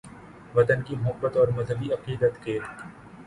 ، وطن کی محبت اور مذہبی عقیدت کے